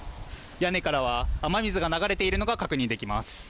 屋根からは雨水が流れているのが確認できます。